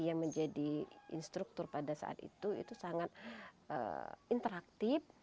yang menjadi instruktur pada saat itu itu sangat interaktif